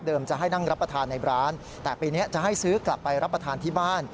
จะให้นั่งรับประทานในร้านแต่ปีนี้จะให้ซื้อกลับไปรับประทานที่บ้าน